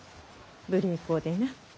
無礼講でな。